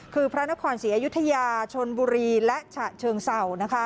คือพระนครศรีอยุธยาชนบุรีและฉะเชิงเศร้า